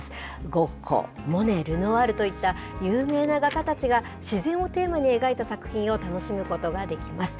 ゴッホ、モネ、ルノワールといった有名な画家たちが、自然をテーマに描いた作品を楽しむことができます。